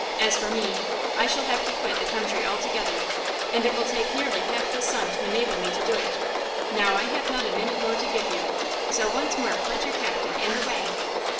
As for me, I shall have to quit the country altogether, and it will take nearly half this sum to enable me to do it. Now I have not a minute more to give you! So once more pledge your captain and away!"